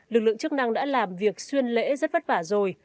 lực lượng chức năng đã làm việc xuyên lễ rất vất vả rồi